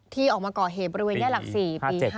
ที่ออกมาก่อเหตุบริเวณแยกหลัก๔ปี๕